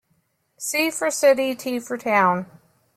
C for city, T for town.